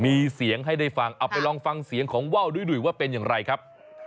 มีเสียงให้ได้ฟังเอาไปลองฟังเสียงของว่าวดุ้ยว่าเป็นอย่างไรครับ